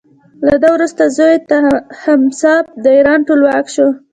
له ده وروسته زوی یې تهماسب د ایران ټولواک شو.